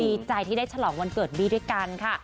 ดีใจที่ได้ฉลองวันเกิดบี้ด้วยกันค่ะ